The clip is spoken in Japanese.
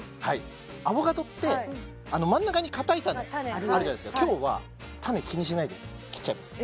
アボカドって真ん中に硬い種あるじゃないですか今日は種気にしないで切っちゃいます